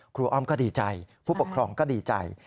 อ้อมก็ดีใจผู้ปกครองก็ดีใจ